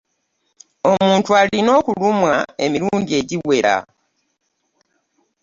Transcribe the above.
Omuntu alina okulumwa emirundi egiwera.